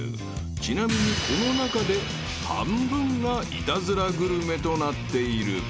［ちなみにこの中で半分がイタズラグルメとなっている］